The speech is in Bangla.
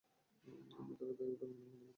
উম্মে দারদাকে বাড়ির আঙিনায় দেখতে পেলেন।